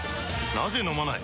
なぜ飲まない？